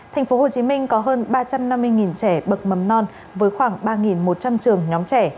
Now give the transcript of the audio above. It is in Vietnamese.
tp hcm có hơn ba trăm năm mươi trẻ bậc mầm non với khoảng ba một trăm linh trường nhóm trẻ